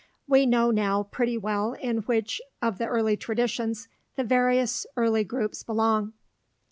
We now know pretty well in which of the early traditions the various early groups belong.